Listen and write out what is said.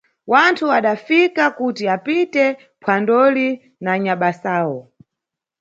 Wanthu adafika kuti apite phwandoli na anyabasawo.